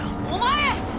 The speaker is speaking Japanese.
お前！